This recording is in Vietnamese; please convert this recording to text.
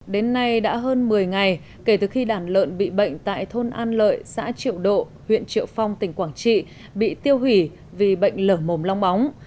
đến nay đã hơn một mươi ngày kể từ khi đàn lợn bị bệnh tại thôn an lợi xã triệu độ huyện triệu phong tỉnh quảng trị bị tiêu hủy vì bệnh lở mồm long bóng